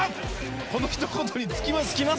このひと言に尽きます。